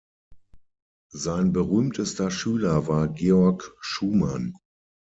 Sein berühmtester Schüler war Georg Schumann.